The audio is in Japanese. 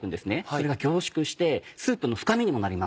それが凝縮してスープの深みにもなります。